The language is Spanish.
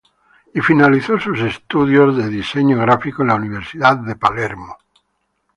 Y finalizó sus estudios de diseño gráfico en la Universidad de Palermo.